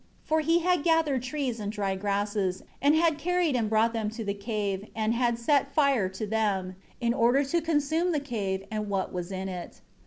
For he had gathered trees and dry grasses, and had carried and brought them to the cave, and had set fire to them, in order to consume the cave and what was in it.